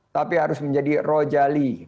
tapi harus menjadi rojali